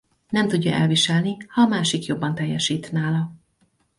Nem tudja elviselni ha a másik jobban teljesít nála.